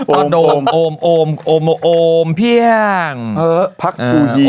ตอนโดมโอมโอมโอมพี่ชาง